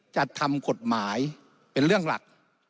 จะทำกฎหมายเป็นเรื่องหลัก